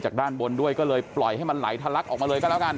ด้านบนด้วยก็เลยปล่อยให้มันไหลทะลักออกมาเลยก็แล้วกัน